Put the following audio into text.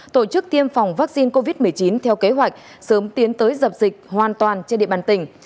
tổ chức tiêm phòng vaccine covid một mươi chín theo kế hoạch sớm tiến tới dập dịch hoàn toàn trên địa bàn tỉnh